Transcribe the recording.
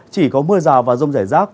chỉ có mưa rào và rông rải rác